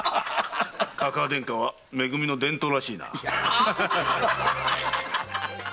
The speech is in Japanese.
かかあ天下はめ組の伝統らしいな。